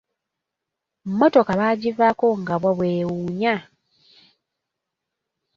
Motoka baagivaako nga bwe beewunya.